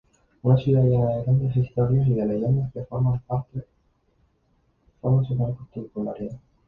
Una ciudad llena de grandes historias y de leyendas que forman su particularidad.